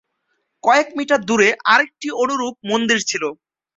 কয়েক মিটার দূরে আরেকটি অনুরূপ মন্দির ছিল।